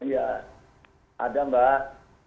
ya ada mbak